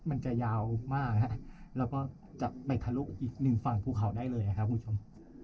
มันจะยาวมากแล้วก็จะไปทะลุอีกหนึ่งฝั่งภูเขาได้เลยครับคุณผู้ชม